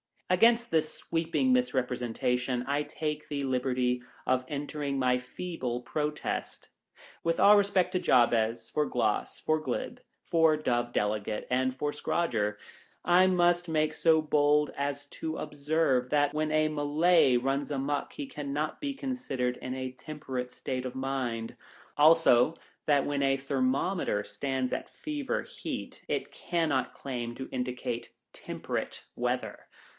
Against this sweeping misrepresentation, I take the liberty of entering my feeble protest. With all respect for Jabez, for Gloss, for Glib, for Dove Delegate, and for Scradger, I must make so bold as to observe that when a Malay runs a muck he cannot be considered in a temperate state of mind ; also, that when a thermometer stands at Fever Heat, it cannot claim to indicate Temperate weather.